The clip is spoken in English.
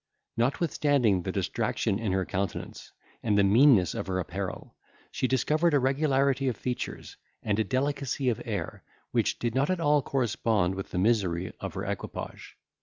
Notwithstanding the distraction in her countenance, and the meanness of her apparel, she discovered a regularity of features, and a delicacy of air, which did not at all correspond with the misery of her equipage.